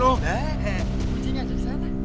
buji nggak ada di sana